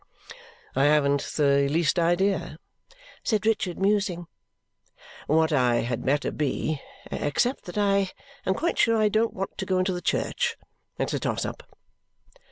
"I haven't the least idea," said Richard, musing, "what I had better be. Except that I am quite sure I don't want to go into the Church, it's a toss up."